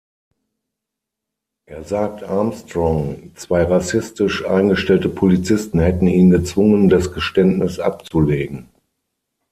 Er sagt Armstrong, zwei rassistisch eingestellte Polizisten hätten ihn gezwungen, das Geständnis abzulegen.